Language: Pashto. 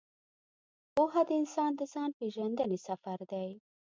پوهه د انسان د ځان پېژندنې سفر دی.